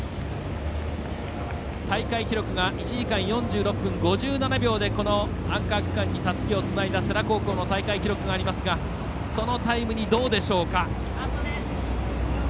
大会記録が１時間４６分５７秒でこのアンカー区間にたすきをつないだ世羅高校の大会記録がありますがそのタイムに、どうでしょうか。